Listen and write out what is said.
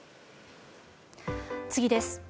次です。